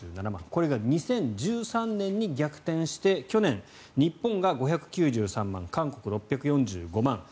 これが２０１３年に逆転して去年、日本が５９３万円韓国、６４５万円。